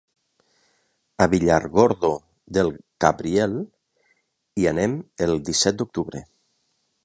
A Villargordo del Cabriel hi anem el disset d'octubre.